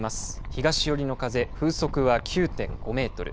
東寄りの風風速は９．５メートル。